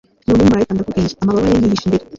ni umumarayika ndakubwiye! amababa ye yihishe imbere